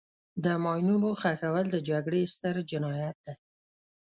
د ماینونو ښخول د جګړې ستر جنایت دی.